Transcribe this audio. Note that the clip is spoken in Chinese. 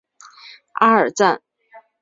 阿尔赞。